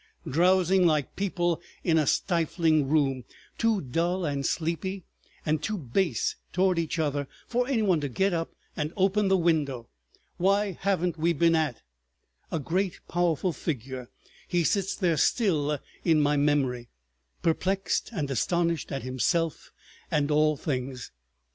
Drowsing like people in a stifling room, too dull and sleepy and too base toward each other for any one to get up and open the window. What haven't we been at?" A great powerful figure he sits there still in my memory, perplexed and astonished at himself and all things.